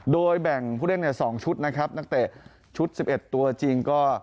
โดยแบ่งผู้เล่นใน๒ชุดนักเตะชุด๑๑ตัวจริง